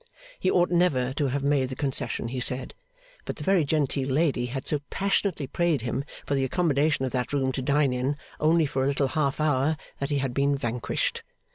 He ought never to have made the concession, he said, but the very genteel lady had so passionately prayed him for the accommodation of that room to dine in, only for a little half hour, that he had been vanquished.